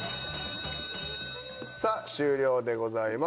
さぁ終了でございます。